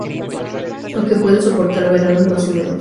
Aunque puede soportar veranos más húmedos.